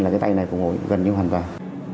là cái tay này phục hồi gần như hoàn toàn